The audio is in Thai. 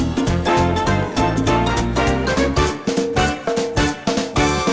ตายสองคน